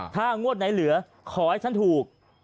ถ้างวดไหนเหลือขอให้ฉันถูก